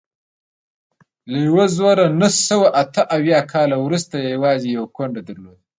له یوه زرو نهه سوه اته اویا کال وروسته یې یوازې یو ګوند درلود.